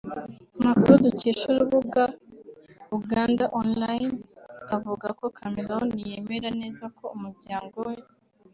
Amakuru dukesha urubuga ugandaonline avuga ko Chameleone yemera neza ko umuryango we